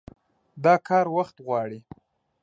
دا کار وخت غواړي.